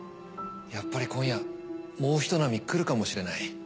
やっぱり今夜もうひと波くるかもしれない。